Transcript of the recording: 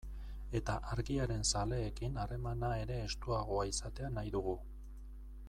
Eta Argiaren zaleekin harremana ere estuagoa izatea nahi dugu.